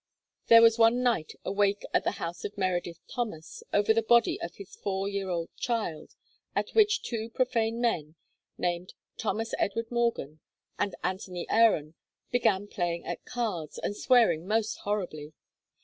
There was one night a wake at the house of Meredith Thomas, over the body of his four year old child, at which two profane men (named Thomas Edward Morgan and Anthony Aaron) began playing at cards, and swearing most horribly.